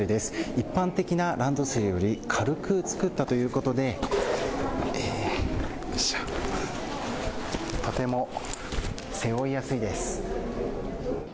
一般的なランドセルより軽く作ったということでとても背負いやすいです。